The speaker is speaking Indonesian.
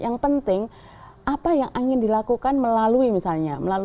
yang penting apa yang ingin dilakukan melalui misalnya